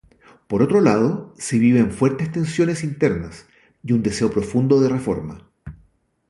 Por otro lado, se viven fuertes tensiones internas y un deseo profundo de reforma.